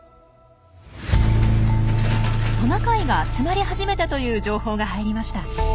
トナカイが集まり始めたという情報が入りました。